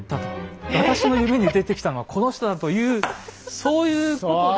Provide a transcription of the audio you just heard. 私の夢に出てきたのはこの人だというそういうことで。